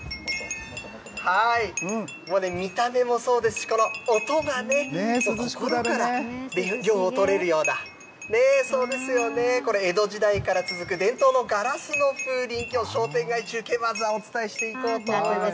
もうね、見た目もそうですし、この音がね、心から涼をとれるような、そうですよね、これ、江戸時代から続く伝統のガラスの風鈴、きょう商店街中継、まずはお伝えしていこうと思います。